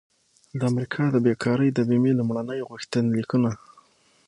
د امریکا د بیکارۍ د بیمې لومړني غوښتنلیکونه